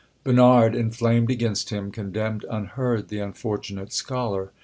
Bernard, inflamed against him, condemned unheard the unfortunate scholar.